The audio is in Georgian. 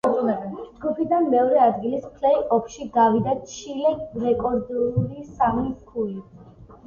ჯგუფიდან მეორე ადგილით პლეი-ოფში გავიდა ჩილე, რეკორდული სამი ქულით.